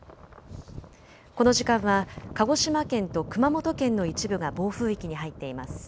この時間は鹿児島県と熊本県の一部が暴風域に入っています。